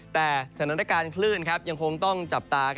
แต่สถานการณ์คลื่นยังคงต้องจับตา